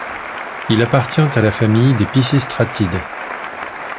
Il appartient à la famille des Pisistratides.